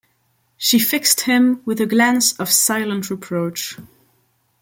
She fixed him with a glance of silent reproach.